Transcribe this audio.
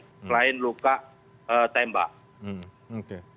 selain luka tembak